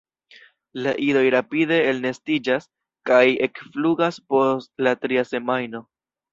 La idoj rapide elnestiĝas kaj ekflugas post la tria semajno.